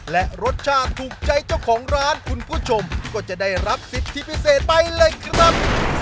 และรสชาติถูกใจเจ้าของร้านคุณผู้ชมก็จะได้รับสิทธิพิเศษไปเลยครับ